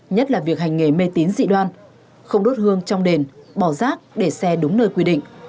nhất là việc hành nghề mê tín dị đoan không đốt hương trong đền bỏ rác để xe đúng nơi quy định